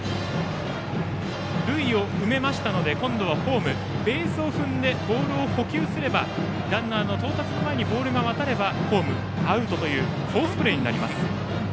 塁を埋めましたので今度はホーム、ベースを踏んでボールを捕球すればランナーの到達前にボールが渡ればホームアウトというフォースプレーになります。